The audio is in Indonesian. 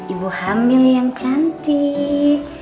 ibu hamil yang cantik